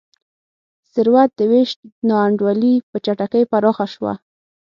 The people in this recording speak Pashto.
ثروت د وېش نا انډولي په چټکۍ پراخه شوه.